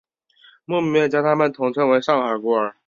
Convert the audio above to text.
牧民们将他们统称为上海孤儿。